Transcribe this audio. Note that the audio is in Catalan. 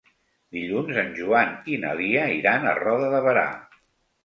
Dilluns en Joan i na Lia iran a Roda de Berà.